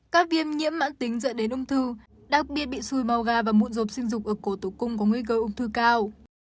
các viêm nhiễm mãn tính dẫn đến ung thư đặc biệt bị xuôi màu ga và mụn rộp sinh dục ở cổ tử cung có nguy cơ ung thư cao